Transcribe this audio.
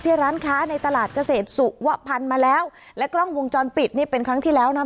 ร้านค้าในตลาดเกษตรสุวพันธ์มาแล้วและกล้องวงจรปิดนี่เป็นครั้งที่แล้วนะ